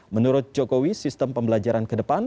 menurut jokowi sistem pembelajaran kedepan